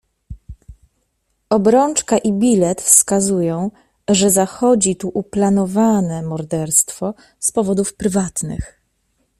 "Obrączka i bilet wskazują, że zachodzi tu uplanowane morderstwo z powodów prywatnych."